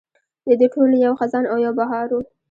د دې ټولو یو خزان او یو بهار و.